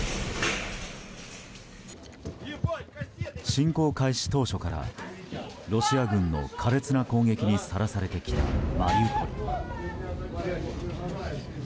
侵攻開始当初からロシア軍の苛烈な攻撃にさらされてきたマリウポリ。